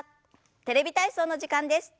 「テレビ体操」の時間です。